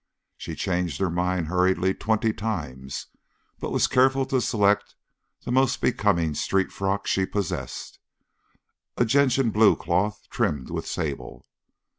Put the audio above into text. She changed her mind hurriedly twenty times, but was careful to select the most becoming street frock she possessed, a gentian blue cloth trimmed with sable.